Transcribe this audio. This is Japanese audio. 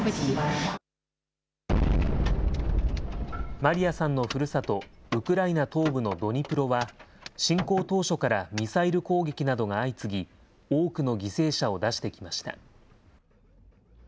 マリアさんのふるさと、ウクライナ東部のドニプロは、侵攻当初からミサイル攻撃などが相次ぎ、多くの犠牲者を出してきました。